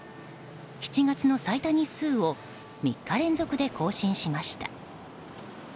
７月の最多日数を３日連続で更新しました。